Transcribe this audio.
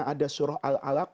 di sana ada surah al alak